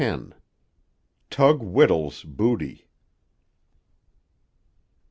TUG WHITTLE'S BOOTY.